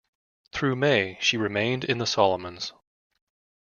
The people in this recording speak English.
Through May, she remained in the Solomons.